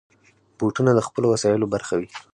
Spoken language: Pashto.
بوټونه د خپلو وسایلو برخه وي.